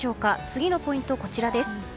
次のポイントはこちらです。